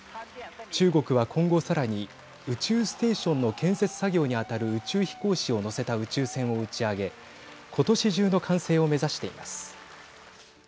中国は今後さらに宇宙ステーションの建設作業に当たる宇宙飛行士を乗せた宇宙船を打ち上げ今年中の完成を目指しています。